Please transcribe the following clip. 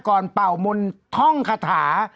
ก่อนเป่ามนท่องคาถา